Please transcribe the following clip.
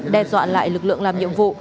đe dọa lại lực lượng làm nhiệm vụ